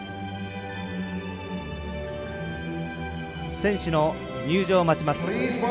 選手の入場を待ちます。